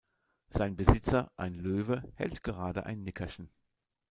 Sein Besitzer, ein Löwe, hält gerade ein Nickerchen.